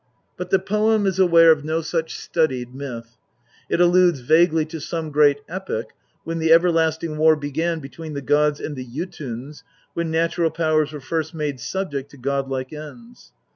But the poem is aware of no such studied myth ; it alludes vaguely to some great epoch when the everlasting war began between the gods and the Jotuns, when natural powers were first made subject to god like ends.